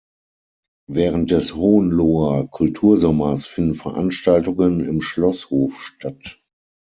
Während des Hohenloher Kultursommers finden Veranstaltungen im Schlosshof statt.